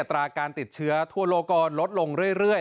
ราการติดเชื้อทั่วโลกก็ลดลงเรื่อย